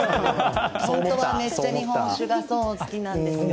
本当はめっちゃ日本酒が好きなんですよ。